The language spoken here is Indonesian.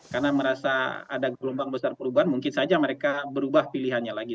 karena merasa ada gelombang besar perubahan mungkin saja mereka berubah pilihannya lagi